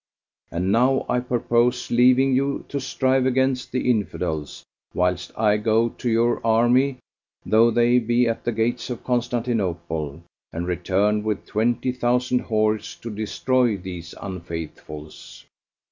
And now I purpose leaving you to strive against the Infidels, whilst I go to your army, though they be at the gates of Constantinople, and return with twenty thousand horse to destroy these Unfaithfuls."